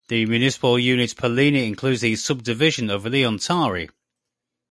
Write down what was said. The municipal unit Pallini includes the subdivision of Leontari.